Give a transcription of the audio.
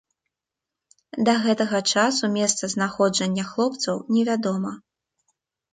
Да гэтага часу месца знаходжання хлопцаў невядома.